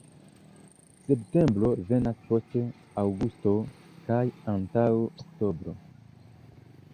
Septembro venas post aŭgusto kaj antaŭ oktobro.